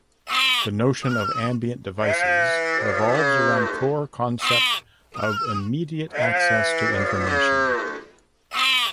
The notion of ambient devices revolves around core concept of immediate access to information.